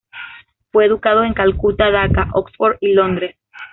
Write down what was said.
Fue educado en Calcuta, Daca, Oxford y Londres.